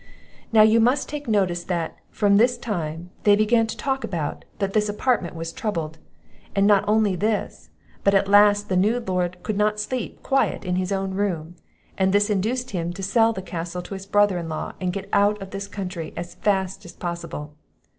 Now you must take notice that, from this time, they began to talk about, that this apartment was troubled; and not only this, but at last the new Lord could not sleep in quiet in his own room; and this induced him to sell the castle to his brother in law, and get out of this country as fast as possible.